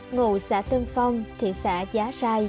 ngụ xã tân phong thị xã giá rai